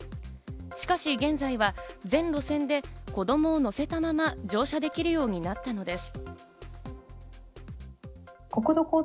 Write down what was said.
しかし、現在は全路線で子供を乗せたまま乗車できるようになったのです。